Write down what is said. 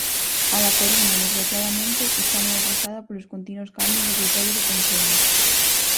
A da Coruña, desgraciadamente, está moi atrasada polos continuos cambios de criterio do Concello.